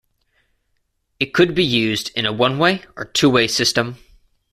It could be used in a one-way or two-way system.